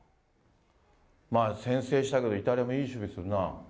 まあ、先制したけど、イタリアもいい守備するな。